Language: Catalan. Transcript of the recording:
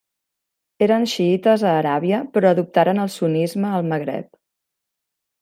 Eren xiïtes a Aràbia però adoptaren el sunnisme al Magreb.